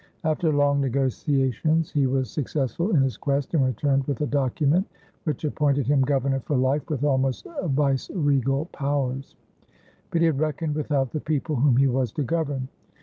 After long negotiations he was successful in his quest and returned with a document which appointed him governor for life with almost viceregal powers. But he had reckoned without the people whom he was to govern.